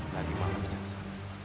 lagi maha berjaksa